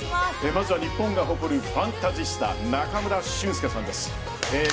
まずは日本が誇るファンタジスタ中村俊輔さんです。